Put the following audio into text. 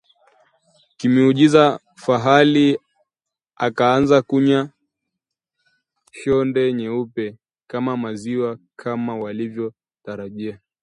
Kimiujiza, fahali akaanza kunya shonde nyeupe kama maziwa kama walivyotarajia